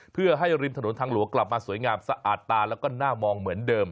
เพื่อให้ริมถนนทางหลวงกลับมาสวยงามสะอาดตาแล้วก็น่ามองเหมือนเดิม